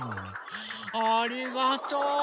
ありがとう。